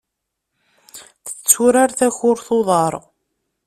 Tetturar takurt n uḍar.